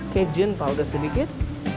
cajun powder sedikit